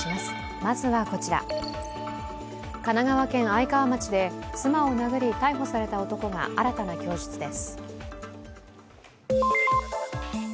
神奈川県愛川町で妻を殴り逮捕された男が新たな供述です。